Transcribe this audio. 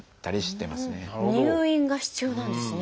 入院が必要なんですね。